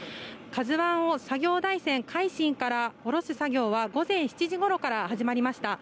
「ＫＡＺＵ１」を作業台船「海進」から下ろす作業は午前７時ごろから始まりました。